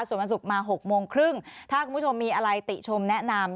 ส่วนวันศุกร์มา๖โมงครึ่งถ้าคุณผู้ชมมีอะไรติชมแนะนำ